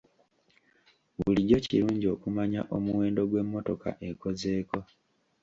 Bulijjo kirungi okumanya omuwendo gw'emmotoka ekozeeko.